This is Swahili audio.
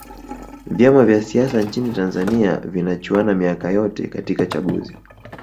vyama vya siasa nchini tanzania vinachuana miaka yote katika chaguzi